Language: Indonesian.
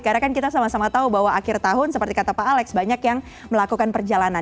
karena kan kita sama sama tahu bahwa akhir tahun seperti kata pak alex banyak yang melakukan perjalanan